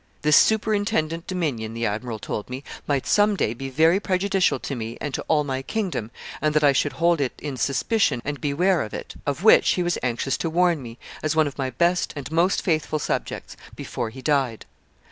'This superintendent domination, the admiral told me, might some day be very prejudicial to me and to all my kingdom, and that I should hold it in suspicion and beware of it; of which he was anxious to warn me, as one of my best and most faithful subjects, before he died.